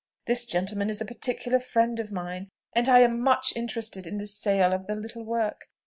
This gentleman is a particular friend of mine, and I am much interested in the sale of the little work.